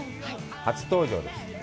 初登場です。